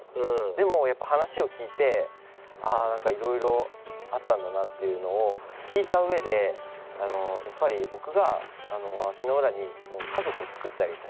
でもやっぱ話を聞いてあ何かいろいろあったんだなっていうのを聞いたうえでやっぱり僕が足の裏に家族をつくってあげたい。